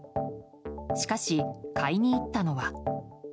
しかし、買いに行ったのは。